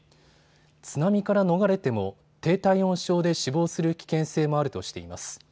津波から逃れても低体温症で死亡する危険性もあるとしています。